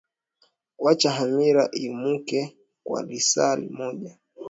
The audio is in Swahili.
wacha hamira imumuke kwa lisaa limoja